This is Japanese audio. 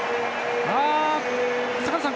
坂田さん